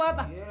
nama banget sih